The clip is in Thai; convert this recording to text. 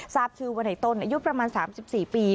ทราบชื่อว่าในต้นอายุประมาณ๓๔ปี